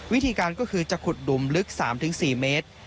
วิธีการก็คือจะขุดหลุมลึก๓๔เมตร